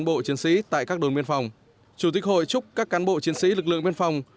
bộ chiến sĩ tại các đồn biên phòng chủ tịch hội chúc các cán bộ chiến sĩ lực lượng biên phòng